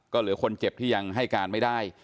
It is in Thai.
ก็เหลือคนเจ็บที่ยังให้การไม่ได้